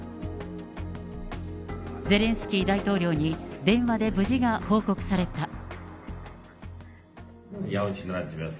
ゼレンスキー大統領に電話で無事が報告された。